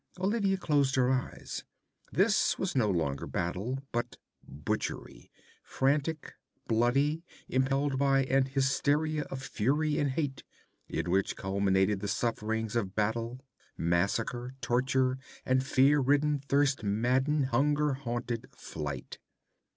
Olivia closed her eyes. This was no longer battle, but butchery, frantic, bloody, impelled by an hysteria of fury and hate, in which culminated the sufferings of battle, massacre, torture, and fear ridden, thirst maddened, hunger haunted flight.